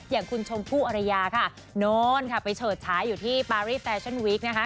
อย่างคุณชมพู่อรยาค่ะโน้นค่ะไปเฉิดฉายอยู่ที่ปารีแฟชั่นวิกนะคะ